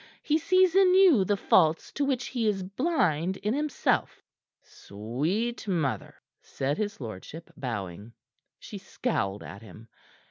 He sees in you the faults to which he is blind in himself." "Sweet mother!" said his lordship, bowing. She scowled at him.